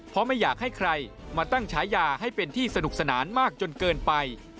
เพราะไม่อยากให้ใครมาตั้งฉายาให้เป็นที่สนุกสนานมากจนเกินไป